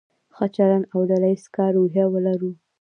ښه چلند او د ډله ایز کار روحیه ولرو.